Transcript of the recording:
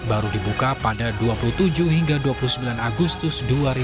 baru dibuka pada dua puluh tujuh hingga dua puluh sembilan agustus dua ribu dua puluh